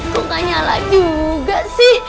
kok gak nyala juga sih